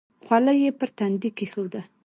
خولۍ یې پر تندي کېښوده.